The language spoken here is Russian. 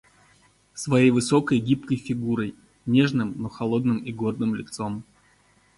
своей высокой гибкой фигурой, нежным, но холодным и гордым лицом,